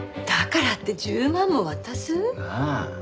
だからって１０万も渡す？なあ。